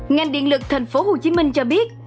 ngành điện lực tp hcm cho biết